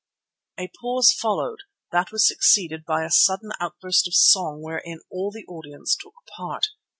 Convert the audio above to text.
A pause followed, that was succeeded by a sudden outburst of song wherein all the audience took part.